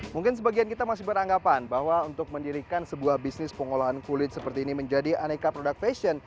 mungkin sebagian kita masih beranggapan bahwa untuk mendirikan sebuah bisnis pengolahan kulit seperti ini menjadi aneka produk fashion